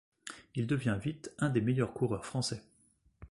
Il devient vite un des meilleurs coureurs français.